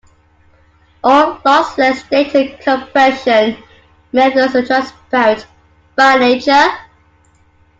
All lossless data compression methods are transparent, by nature.